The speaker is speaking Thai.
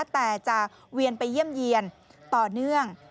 แต่จะเวียนไปเยี่ยมเยี่ยนต่อเนื่อง